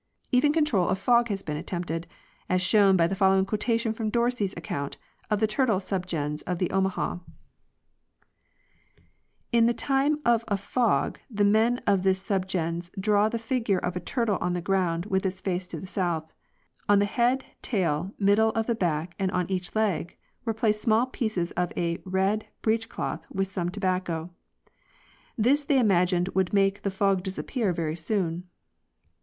Even the control of fog has been attempted, as shown by the following quotation from Dorsey's account of the Turtle sub gens of the Omaha: + In the time of a fog the men of this subgens drew the figure of a turtle on the ground with its face to the south. On the head, tail, mid dle of the back and on each leg were placed small pieces of a (red) breech cloth with some tobacco. This they imagined would make the fog disappear very soon.